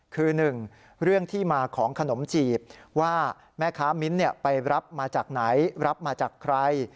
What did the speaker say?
คือหนึ่งเรื่องที่มาของขนมจีบว่าแม่ค้ามิ้นไปรับมาจากไหนรับมาจากใคร